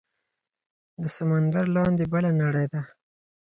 د سمندر لاندې بله نړۍ ده